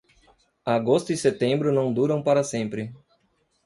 Agosto e setembro não duram para sempre.